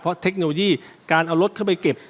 เพราะเทคโนโลยีการเอารถเข้าไปเก็บ